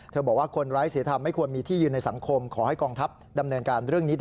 จองล้างจองผลาญทุกชาติไปกลัวเขาจะเป็นทหารเรือโหด